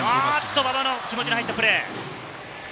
馬場の気持ちの入ったプレー。